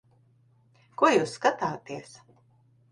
Ko jūs skatāties?